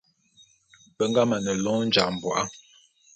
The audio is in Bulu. Be nga mane lôn Ojambô'a.